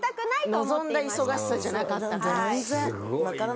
望んだ忙しさじゃなかったから。